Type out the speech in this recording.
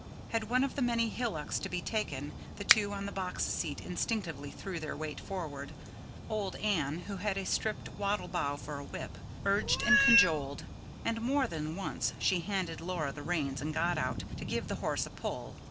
Had one of the many hillocks to be taken, the two on the box seat instinctively threw their weight forward; old Anne, who had a stripped wattle bough for a whip, urged and cajoled; and more than once she handed Laura the reins and got down, to give the horse a pull.